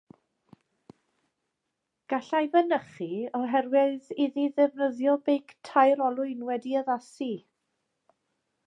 Gallai fynychu oherwydd iddi ddefnyddio beic tair olwyn wedi'i addasu.